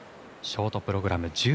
ショートプログラム